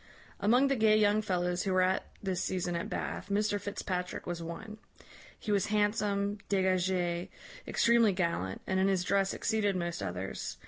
"Among the gay young fellows who were at this season at Bath, Mr Fitzpatrick was one. He was handsome, dégagé, extremely gallant, and in his dress exceeded most others.